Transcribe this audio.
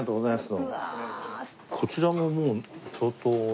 どうも。